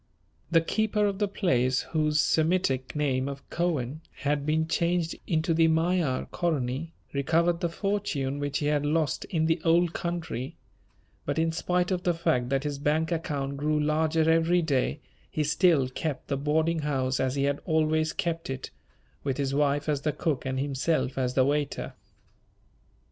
The keeper of the place whose Semitic name of Cohen had been changed into the Magyar, Koronyi, recovered the fortune which he had lost in the Old Country, but in spite of the fact that his bank account grew larger every day, he still kept the boarding house as he had always kept it, with his wife as the cook and himself as the waiter.